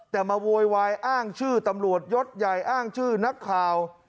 แต่มาโวยวายอ้างชื่อตำรวจยศใหญ่อ้างชื่อนักข่าว